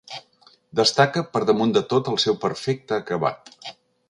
Destaca, per damunt de tot el seu perfecte acabat.